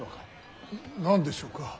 ・何でしょうか。